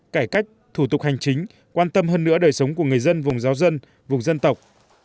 cải cách thủ tục hành chính quan tâm hơn nữa đời sống của người dân vùng giáo dân vùng dân tộc